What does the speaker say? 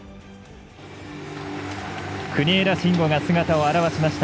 国枝慎吾が姿を現しました。